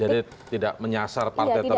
jadi tidak menyasar partai tertentu